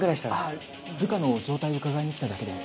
あ瑠香の状態を伺いに来ただけで。